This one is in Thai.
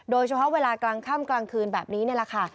เวลากลางค่ำกลางคืนแบบนี้นี่แหละค่ะ